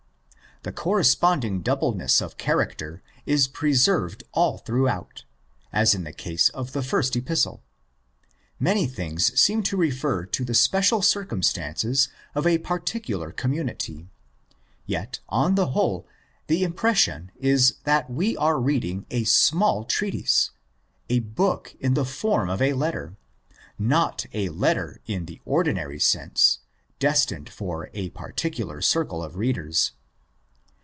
The corresponding doubleness of character is preserved all through, as in the case of the first Epistle. Many things seem to refer to the special circumstances of a particular community ; yet, on the whole, the impression is that we are reading a small treatise, a book in the form of a letter—not a letter in the ordinary sense, destined for a particular circle of readers.